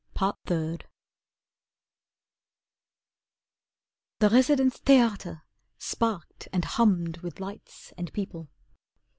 Part Third The 'Residenz Theater' sparked and hummed With lights and people.